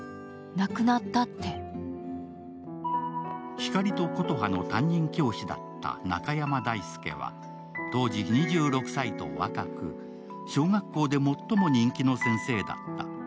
光と琴葉の担任教師だった中山大輔は当時２６歳と若く、小学校で最も人気の先生だった。